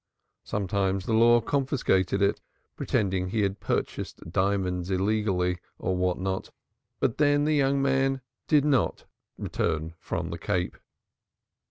Sometimes the law confiscated it, pretending he had purchased diamonds illegally, or what not, but then the young man did not return from the Cape.